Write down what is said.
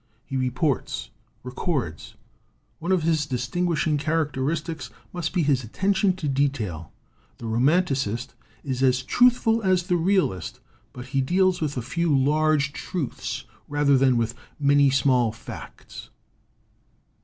He reports, records; one of his distinguishing characteristics must be his attention to detail. The romanticist is as truthful as the realist, but he deals with a few large truths rather than with many small facts."